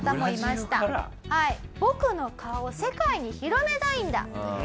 「僕の顔を世界に広めたいんだ」という。